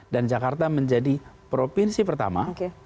dan jakarta menjadi provinsi pertama